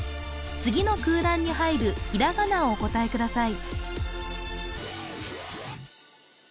次の空欄に入るひらがなをお答えください